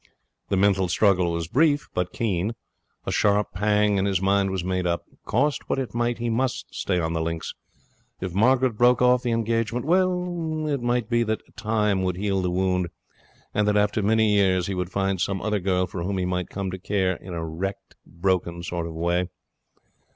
The mental struggle was brief but keen. A sharp pang, and his mind was made up. Cost what it might, he must stay on the links. If Margaret broke off the engagement well, it might be that Time would heal the wound, and that after many years he would find some other girl for whom he might come to care in a wrecked, broken sort of way.